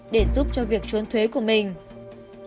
để giúp cho việc chuốn thuế của mình